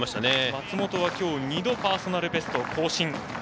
松本は、きょう２度パーソナルベストを更新。